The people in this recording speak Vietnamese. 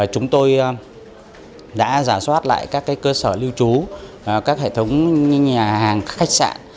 chúng tôi đã giả soát lại các cơ sở lưu trú các hệ thống nhà hàng khách sạn